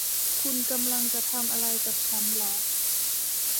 คุณกำลังจะทำอะไรกับฉันหรอ